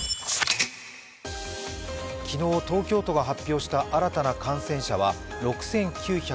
昨日東京都が発表した新たな感染者は６９２２人。